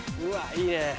うわいいね。